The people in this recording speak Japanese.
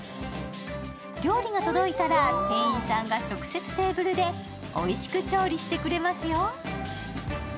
料理が届いたら店員さんが直接テーブルでおいしく調理してくれますよ。